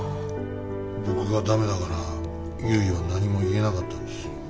僕がダメだからゆいは何も言えなかったんです。